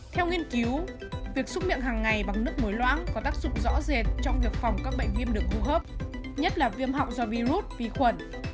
theo nghiên cứu việc xúc miệng hàng ngày bằng nước muối loãng có tác dụng rõ rệt trong việc phòng các bệnh viêm đường hô hấp nhất là viêm họng do virus vi khuẩn